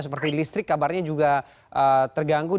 seperti listrik kabarnya juga terganggu